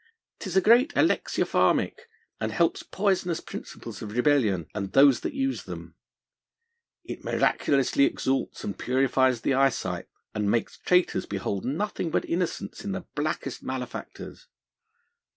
'Tis a great alexiopharmick, and helps poisonous principles of rebellion, and those that use them. It miraculously exalts and purifies the eyesight, and makes traitors behold nothing but innocence in the blackest malefactors.